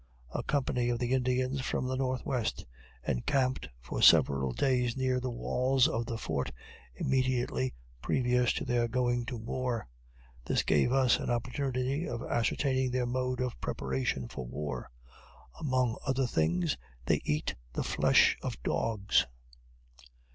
A company of the Indians from the northwest encamped for several days near the walls of the fort, immediately previous to their going to war. This gave us an opportunity of ascertaining their mode of preparation for war. Among other things, they eat the flesh of dogs.